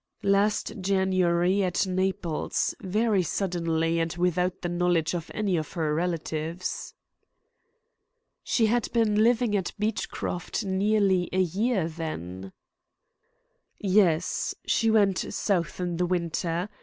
"Last January, at Naples, very suddenly, and without the knowledge of any of her relatives." "She had been living at Beechcroft nearly a year, then?" "Yes, she went South in the winter.